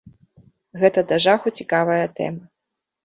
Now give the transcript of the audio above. Гэта да жаху цікавая тэма.